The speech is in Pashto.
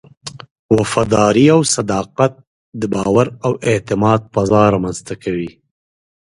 وفاداري او صداقت د باور او اعتماد فضا رامنځته کوي.